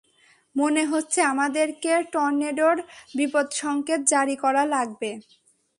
মনে হচ্ছে, আমাদেরকে টর্নেডোর বিপদসংকেত জারী করা লাগবে!